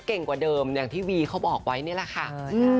เพราะฉะนั้นเธอค่อยดูฉันละกัน